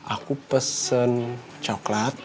aku pesen coklat